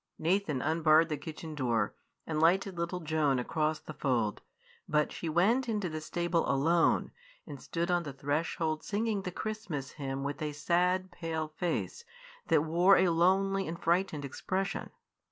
Nathan unbarred the kitchen door, and lighted little Joan across the fold; but she went into the stable alone, and stood on the threshold singing the Christmas hymn with a sad, pale face that wore a lonely and frightened expression.